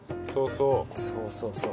そうそうそう。